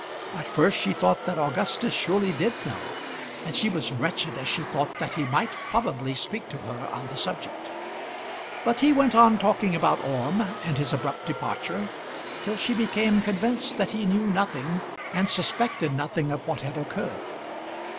At first she thought that Augustus surely did know, and she was wretched as she thought that he might probably speak to her on the subject. But he went on talking about Orme and his abrupt departure till she became convinced that he knew nothing and suspected nothing of what had occurred.